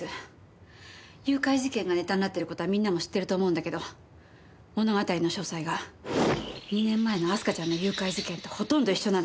誘拐事件がネタになってる事はみんなも知ってると思うんだけど物語の詳細が２年前の明日香ちゃんの誘拐事件とほとんど一緒なの。